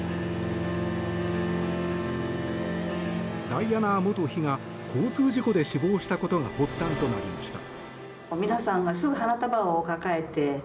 ダイアナ元妃が交通事故で死亡したことが発端となりました。